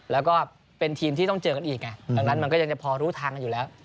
แล้วก็เป็นทีมที่ต้องเจอกันอีกไงดังนั้นมันก็ยังจะพอรู้ทางกันอยู่แล้ว